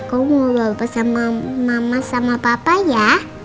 aku mau bawa pesan mama sama papa ya